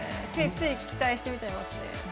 ついつい期待してみちゃいます。